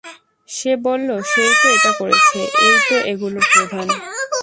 সে বলল, সে-ই তো এটা করেছে, এ-ই তো এগুলোর প্রধান।